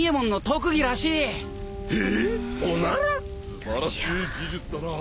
素晴らしい技術だな。